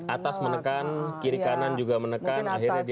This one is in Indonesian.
atas menekan kiri kanan juga menekan